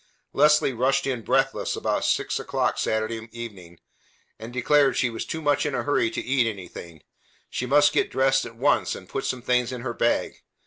Leslie rushed in breathless about six o'clock Saturday evening, and declared she was too much in a hurry to eat anything; she must get dressed at once, and put some things in her bag.